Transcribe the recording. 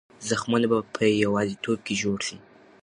زخمونه به په یوازیتوب کې جوړ شي.